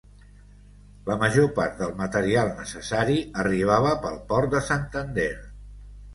La major part del material necessari arribava pel port de Santander.